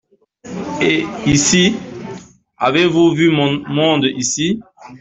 Et Ici ? avez vous vu mon monde ici ?